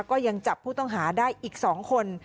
ก็ยังจับผู้ต้องหาได้อีก๒คน